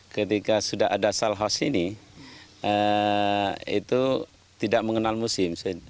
ketika sudah ada sall house ini itu tidak mengenal musim